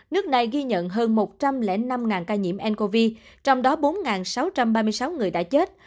nước này ghi nhận hơn một trăm linh năm ca nhiễm ncov trong đó bốn sáu trăm ba mươi sáu người đã chết